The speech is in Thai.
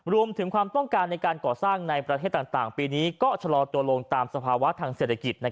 ความต้องการในการก่อสร้างในประเทศต่างปีนี้ก็ชะลอตัวลงตามสภาวะทางเศรษฐกิจ